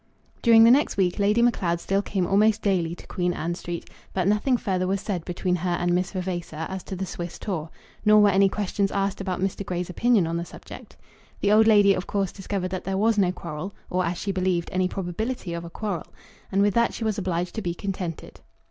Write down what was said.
During the next week Lady Macleod still came almost daily to Queen Anne Street, but nothing further was said between her and Miss Vavasor as to the Swiss tour; nor were any questions asked about Mr. Grey's opinion on the subject. The old lady of course discovered that there was no quarrel, or, as she believed, any probability of a quarrel; and with that she was obliged to be contented.